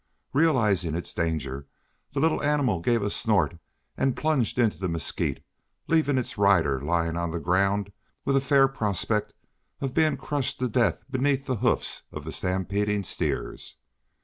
Realizing its danger, the little animal gave a snort and plunged into the mesquite, leaving its rider lying on the ground with a fair prospect of being crushed to death beneath, the hoofs of the stampeding steers.